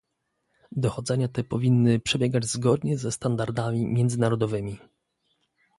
Dochodzenia te powinny przebiegać zgodnie ze standardami międzynarodowymi